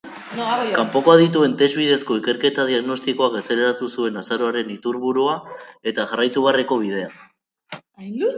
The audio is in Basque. Kanpoko adituen test bidezko ikerketaketa disgnostikoak azaleratu zuen arazoaren iturburua eta jarraitubeharreko bidea.